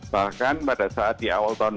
bahkan pada saat di awal tahun dua ribu lima belas